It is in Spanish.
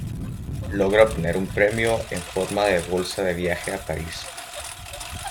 Logra obtener un premio en forma de bolsa de viaje a París.